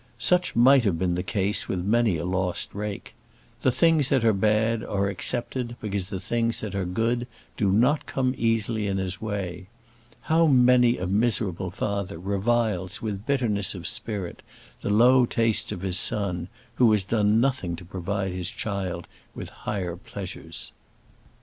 Such might have been the case with many a lost rake. The things that are bad are accepted because the things that are good do not come easily in his way. How many a miserable father reviles with bitterness of spirit the low tastes of his son, who has done nothing to provide his child with higher pleasures!